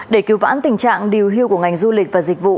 để cứu vãn tình trạng điều hưu của ngành du lịch và dịch vụ